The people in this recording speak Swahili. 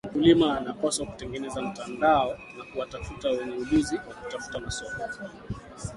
mkulima anapaswa kutengeneza mtandao na kuwatafuta wenye ujuzi wa kutafuta masoko